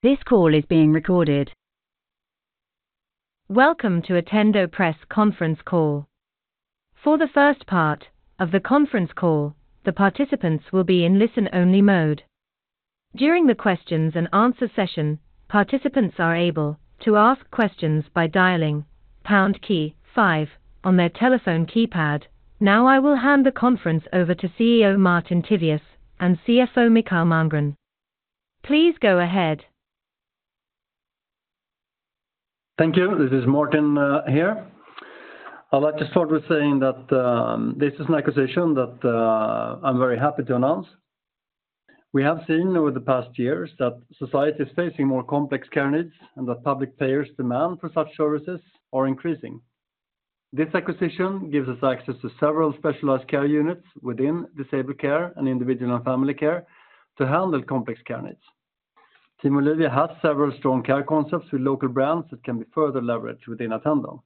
Welcome to Attendo press conference call. For the first part of the conference call, the participants will be in listen-only mode. During the questions and answer session, participants are able to ask questions by dialing pound key five on their telephone keypad. Now I will hand the conference over to CEO Martin Tivéus, and CFO Mikael Malmgren. Please go ahead. Thank you. This is Martin here. I'd like to start with saying that this is an acquisition that I'm very happy to announce. We have seen over the past years that society is facing more complex care needs, and that public payers' demand for such services are increasing. This acquisition gives us access to several specialized care units within disabled care and individual and family care to handle complex care needs. Team Olivia has several strong care concepts with local brands that can be further leveraged within Attendo.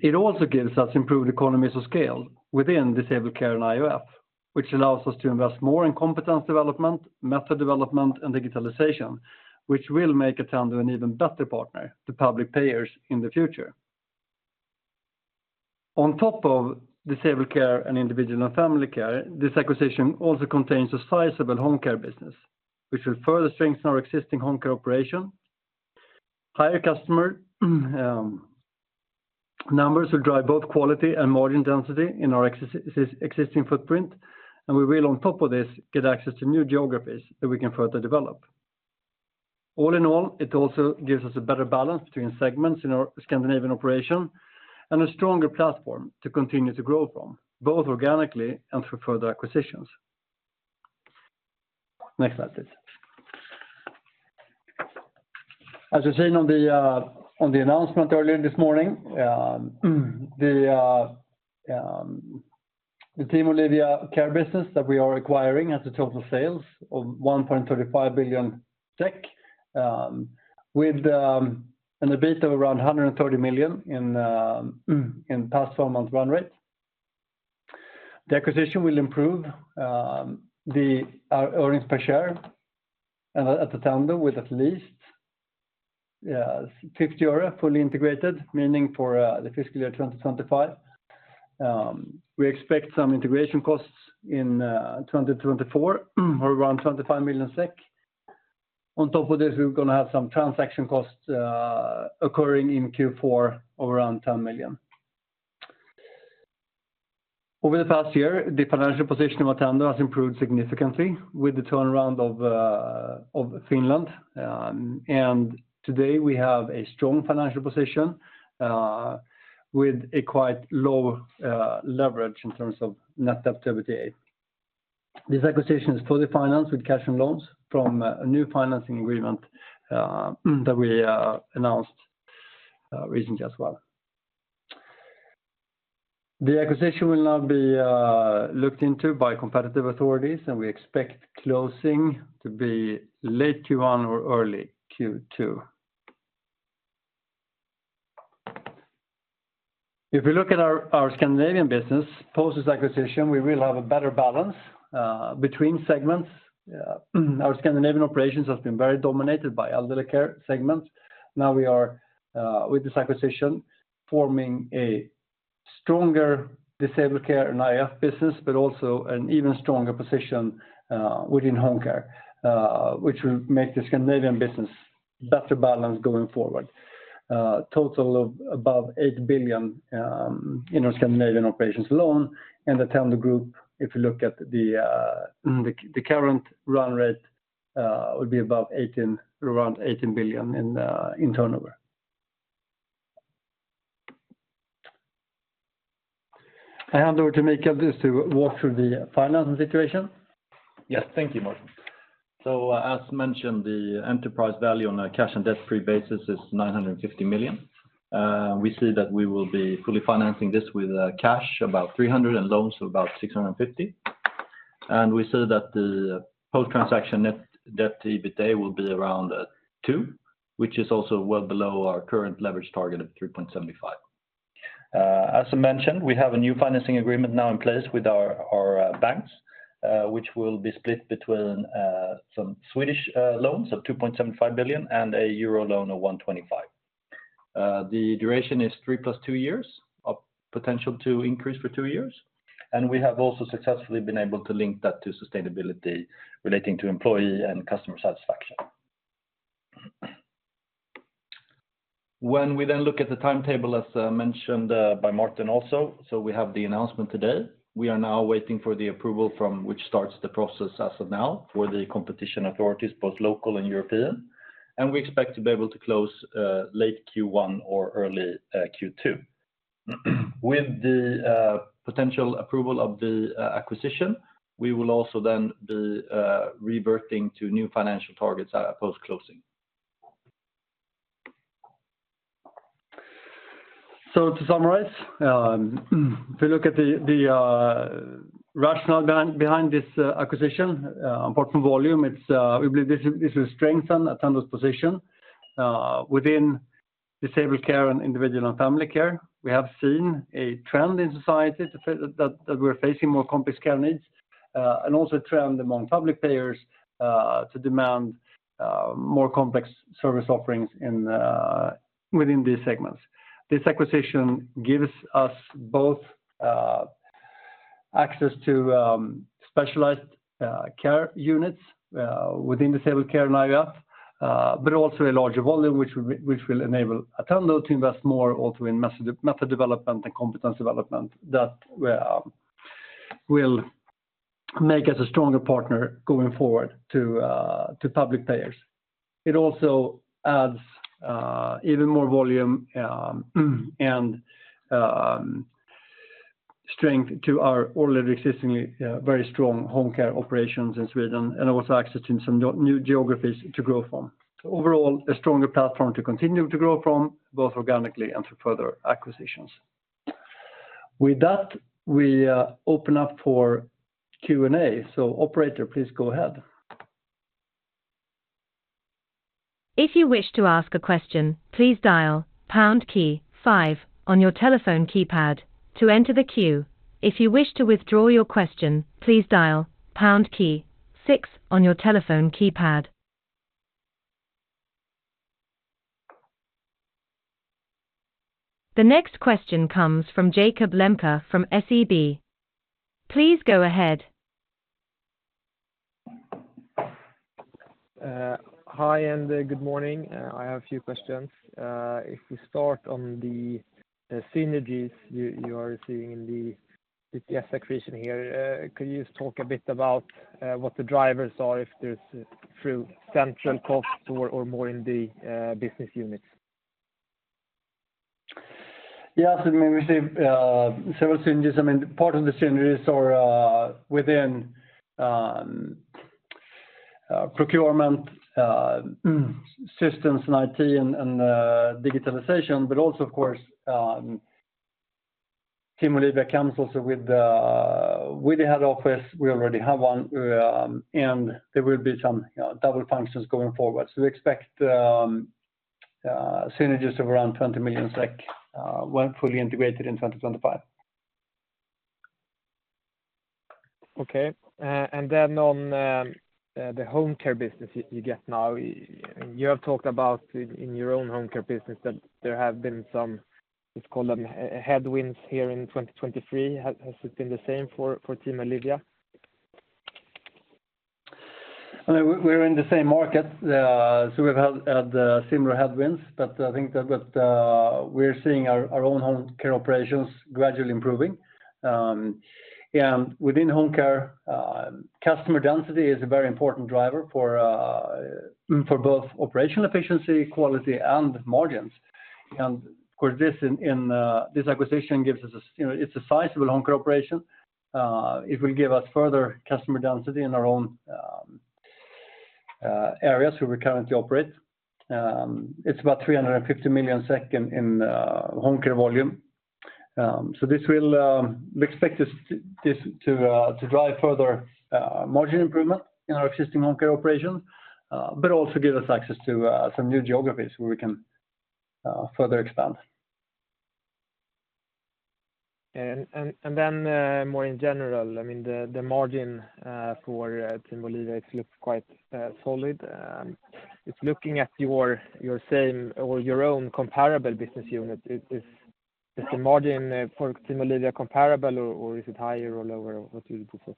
It also gives us improved economies of scale within disabled care and I&F, which allows us to invest more in competence development, method development, and digitalization, which will make Attendo an even better partner to public payers in the future. On top of disabled care and individual and family care, this acquisition also contains a sizable home care business, which will further strengthen our existing home care operation. Higher customer numbers will drive both quality and margin density in our existing footprint, and we will, on top of this, get access to new geographies that we can further develop. All in all, it also gives us a better balance between segments in our Scandinavian operation, and a stronger platform to continue to grow from, both organically and through further acquisitions. Next slide, please. As you've seen on the announcement earlier this morning, the Team Olivia care business that we are acquiring has total sales of 1.35 billion SEK, with an EBIT of around 130 million in past four-month run rate. The acquisition will improve our earnings per share at Attendo with at 50 öre fully integrated, meaning for the fiscal year 2025. We expect some integration costs in 2024 of around 25 million SEK. On top of this, we're gonna have some transaction costs occurring in Q4 of around 10 million. Over the past year, the financial position of Attendo has improved significantly with the turnaround of Finland. Today, we have a strong financial position with quite low leverage in terms of net debt to EBITDA. This acquisition is fully financed with cash and loans from a new financing agreement that we announced recently as well. The acquisition will now be looked into by competitive authorities, and we expect closing to be late Q1 or early Q2. If we look at our Scandinavian business, post this acquisition, we will have a better balance between segments. Our Scandinavian operations has been very dominated by elderly care segment. Now we are with this acquisition, forming a stronger disabled care and I&F business, but also an even stronger position within home care, which will make the Scandinavian business better balanced going forward. Total of above 8 billion in our Scandinavian operations alone, and Attendo Group, if you look at the current run rate, will be above 18, around 18 billion in turnover. I hand over to Mikael just to walk through the financing situation. Yes. Thank you, Martin. So as mentioned, the enterprise value on a cash and debt-free basis is 950 million. We see that we will be fully financing this with cash, about 300 million, and loans of about 650 million. And we see that the post-transaction net debt to EBITDA will be around 2.0x, which is also well below our current leverage target of 3.75x. As I mentioned, we have a new financing agreement now in place with our banks, which will be split between some Swedish loans of 2.75 billion and a euro loan of 125 million. The duration is three plus two years, with potential to increase for two years, and we have also successfully been able to link that to sustainability relating to employee and customer satisfaction. When we then look at the timetable, as mentioned by Martin also, so we have the announcement today. We are now waiting for the approval from which starts the process as of now for the competition authorities, both local and European, and we expect to be able to close late Q1 or early Q2. With the potential approval of the acquisition, we will also then be reverting to new financial targets at post-closing. To summarize, if you look at the rationale behind this acquisition, importantly volume, it's we believe this will strengthen Attendo's position within disabled care and individual and family care. We have seen a trend in society that we're facing more complex care needs, and also a trend among public payers to demand more complex service offerings within these segments. This acquisition gives us both access to specialized care units within disabled care in area, but also a larger volume, which will enable Attendo to invest more also in method development and competence development that will make us a stronger partner going forward to public payers. It also adds even more volume and strength to our already existing very strong home care operations in Sweden, and also accessing some new geographies to grow from. So overall, a stronger platform to continue to grow from, both organically and for further acquisitions. With that, we open up for Q&A. So operator, please go ahead. If you wish to ask a question, please dial pound key five on your telephone keypad to enter the queue. If you wish to withdraw your question, please dial pound key six on your telephone keypad. The next question comes from Jakob Lembke from SEB. Please go ahead. Hi, and good morning. I have a few questions. If we start on the synergies you are seeing in this acquisition here. Could you just talk a bit about what the drivers are, if there's through central cost or more in the business units? Yeah, so I mean, we see several synergies. I mean, part of the synergies are within procurement systems and IT and digitalization. But also, of course, Team Olivia comes also with the head office, we already have one, and there will be some double functions going forward. So we expect synergies of around 20 million SEK when fully integrated in 2025. Okay. And then on the home care business you know, you have talked about in your own home care business that there have been some, let's call them, headwinds here in 2023. Has it been the same for Team Olivia? I mean, we're in the same market, so we've had similar headwinds, but I think that, but, we're seeing our own home care operations gradually improving. And within home care, customer density is a very important driver for both operational efficiency, quality, and margins. And of course, this acquisition gives us, you know, it's a sizable home care operation. It will give us further customer density in our own areas where we currently operate. It's about 350 million in home care volume. So this will, we expect this to drive further margin improvement in our existing home care operations, but also give us access to some new geographies where we can further expand. Then, more in general, I mean, the margin for Team Olivia, it looks quite solid. It's looking at your same or your own comparable business unit. Is the margin for Team Olivia comparable, or is it higher or lower? What do you prefer?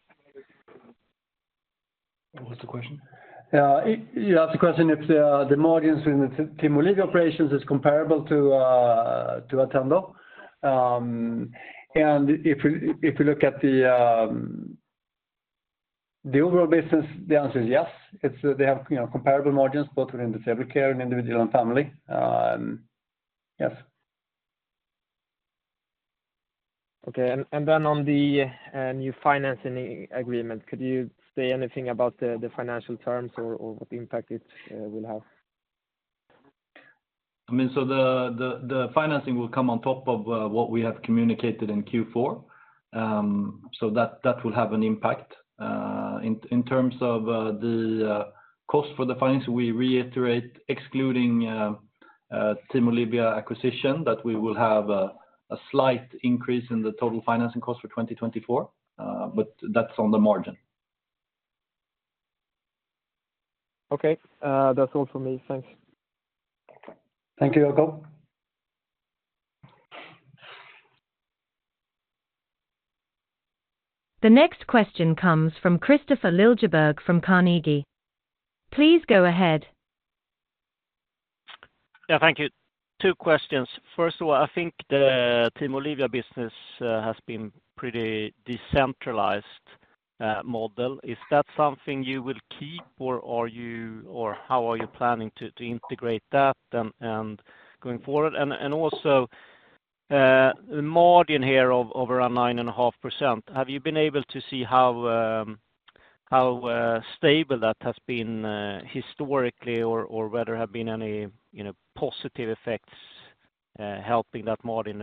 What's the question? He asked the question if the margins in the Team Olivia operations is comparable to Attendo. And if you look at the overall business, the answer is yes. It's, they have, you know, comparable margins, both within disabled care and individual and family. Yes. Okay. And then on the new financing agreement, could you say anything about the financial terms or what impact it will have? I mean, so the financing will come on top of what we have communicated in Q4. So that will have an impact. In terms of the cost for the financing, we reiterate, excluding Team Olivia acquisition, that we will have a slight increase in the total financing cost for 2024, but that's on the margin. Okay. That's all for me. Thanks. Thank you, Jakob. The next question comes from Kristofer Liljeberg from Carnegie. Please go ahead. Yeah, thank you. Two questions. First of all, I think the Team Olivia business has been pretty decentralized model. Is that something you will keep, or are you, or how are you planning to integrate that and going forward? And also, the margin here of over 9.5%, have you been able to see how stable that has been historically, or whether there have been any, you know, positive effects helping that margin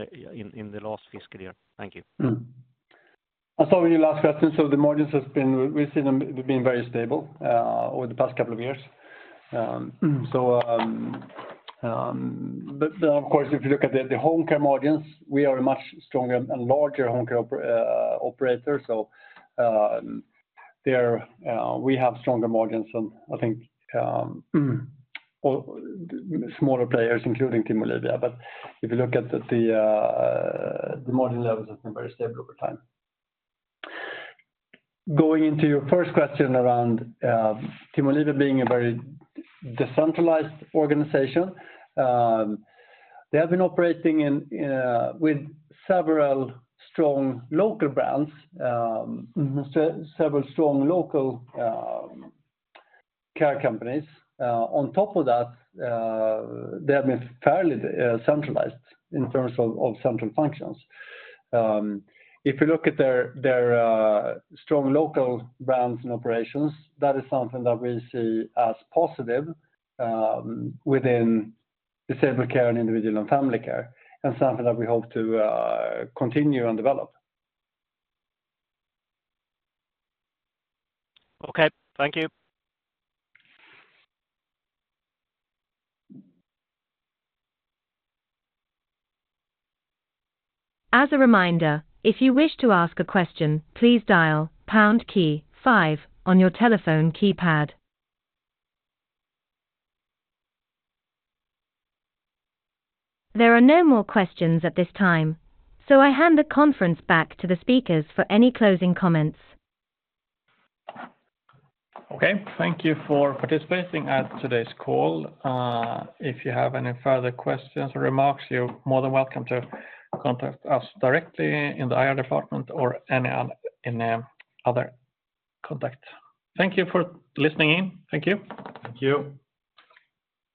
in the last fiscal year? Thank you. I saw your last question. So the margins has been, we've seen them being very stable over the past couple of years. So, but, of course, if you look at the home care margins, we are a much stronger and larger home care operator, so there, we have stronger margins than I think or smaller players, including Team Olivia. But if you look at the margin levels, it's been very stable over time. Going into your first question around Team Olivia being a very decentralized organization, they have been operating in with several strong local brands, several strong local care companies. On top of that, they have been fairly centralized in terms of central functions. If you look at their strong local brands and operations, that is something that we see as positive, within disabled care and individual and family care, and something that we hope to continue and develop. Okay, thank you. As a reminder, if you wish to ask a question, please dial pound key five on your telephone keypad. There are no more questions at this time, so I hand the conference back to the speakers for any closing comments. Okay. Thank you for participating at today's call. If you have any further questions or remarks, you're more than welcome to contact us directly in the IR department or any other, in the other contact. Thank you for listening in. Thank you. Thank you.